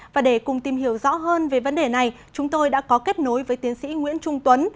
và để cùng tìm hiểu rõ hơn về vấn đề này chúng tôi đã có kết nối với tiến sĩ nguyễn trung tuấn